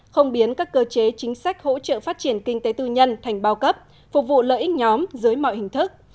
không biến các cơ chế chính sách hỗ trợ phát triển kinh tế tư nhân thành bao cấp phục vụ lợi ích nhóm dưới mọi hình thức